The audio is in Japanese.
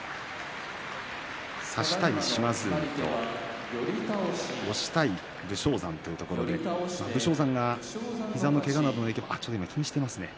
差したい島津海と押したい武将山というところで武将山が、膝のけがなどで今、気にしていますね。